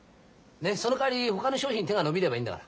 そのかわりほかの商品に手が伸びればいいんだから。